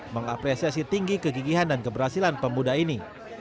mengapresiasi tinggi kegigihan dan keberhasilan pemuda ini